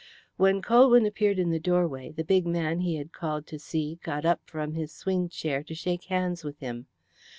When Colwyn appeared in the doorway the big man he had called to see got up from his swing chair to shake hands with him.